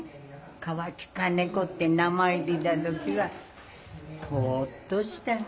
川木金子って名前出た時はほっとした。